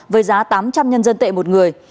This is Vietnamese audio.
với giá tám trăm linh nhân dân tệ một người